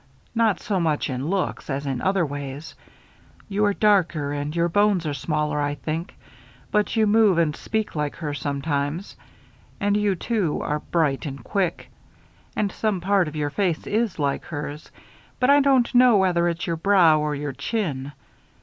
Not so much in looks as in other ways. You are darker and your bones are smaller, I think; but you move and speak like her, sometimes; and you, too, are bright and quick. And some part of your face is like hers; but I don't know whether it's your brow or your chin.